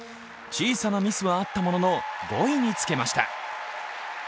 小さなミスはあったものの５位につけました。